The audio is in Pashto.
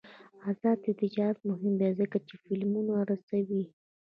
آزاد تجارت مهم دی ځکه چې فلمونه رسوي.